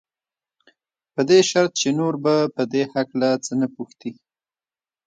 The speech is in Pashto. په دې شرط چې نور به په دې هکله څه نه پوښتې.